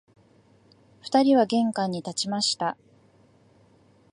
二人は玄関に立ちました